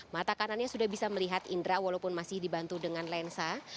mata kanannya sudah bisa melihat indra walaupun masih dibantu dengan lensa